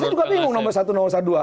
saya juga bingung nomor satu dua